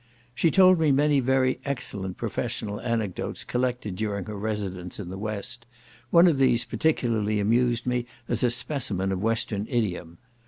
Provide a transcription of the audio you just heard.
She told me many very excellent professional anecdotes collected during her residence in the West; one of these particularly amused me as a specimen of Western idiom.